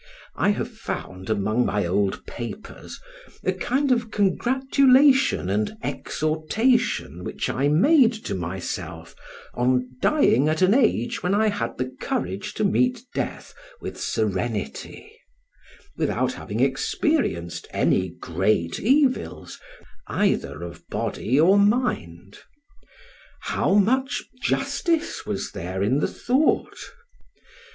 I have found among my old papers a kind of congratulation and exhortation which I made to myself on dying at an age when I had the courage to meet death with serenity, without having experienced any great evils, either of body or mind. How much justice was there in the thought!